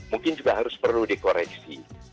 mungkin juga harus perlu dikoreksi